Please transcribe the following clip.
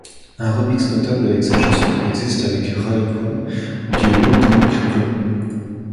Un remix notable de cette chanson existe avec Raekwon du Wu-Tang Clan.